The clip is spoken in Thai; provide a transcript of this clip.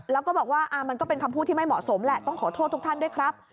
แล้วก็บอกว่ามันก็เป็นคำพูดที่ไม่เหมาะสมแหละต้องขอโทษทุกท่านด้วยครับ